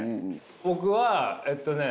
僕はえっとね